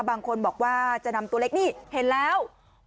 บางคนบอกว่าจะนำตัวเล็กนี่เห็นแล้ว